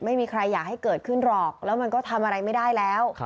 ไม่มีใครอยากให้เกิดขึ้นหรอกแล้วมันก็ทำอะไรไม่ได้แล้ว